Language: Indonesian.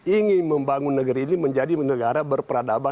ingin membangun negeri ini menjadi negara berperadaban